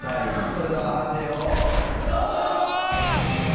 それでは判定をどうぞ！